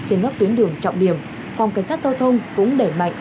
trên các tuyến đường trọng điểm phòng cảnh sát giao thông cũng đẩy mạnh